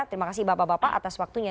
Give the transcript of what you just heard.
terima kasih bapak bapak atas waktunya